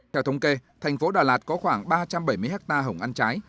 theo thống kê thành phố đà lạt có khoảng ba trăm bảy mươi hectare hồng ăn trái